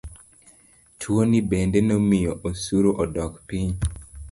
Tuoni bende nomiyo osuru odok piny.